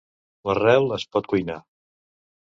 L'arrel es pot cuinar.